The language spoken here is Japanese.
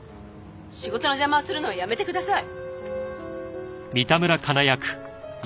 仕事の邪魔をするのはやめてください。